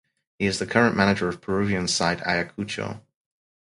He is the current manager of Peruvian side Ayacucho.